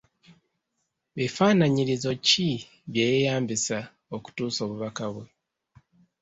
Bifaanaanyirizo ki bye yeeyambisizza okutuusa obubaka bwe?